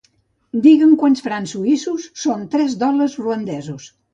Digue'm quants francs suïssos són tres dòlars ruandesos.